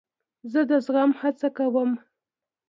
زه د زغم هڅه کوم.